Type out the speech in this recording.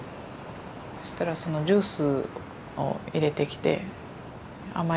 そしたらそのジュースを入れてきて。